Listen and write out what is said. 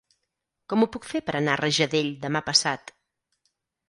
Com ho puc fer per anar a Rajadell demà passat?